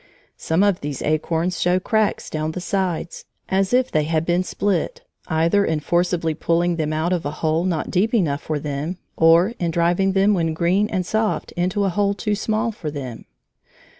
Some of these acorns show cracks down the sides, as if they had been split either in forcibly pulling them out of a hole not deep enough for them, or in driving them when green and soft into a hole too small for them.